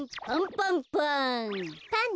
パンパンパン。